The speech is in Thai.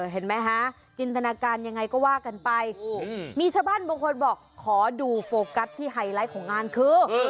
เห็นไหมฮะจินตนาการยังไงก็ว่ากันไปมีชาวบ้านบางคนบอกขอดูโฟกัสที่ไฮไลท์ของงานคือ